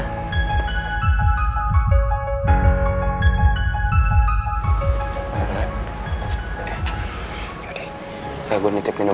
kayaknya gue gak bisa nunggu